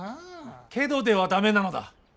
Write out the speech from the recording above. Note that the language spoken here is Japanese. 「けど」では駄目なのだ。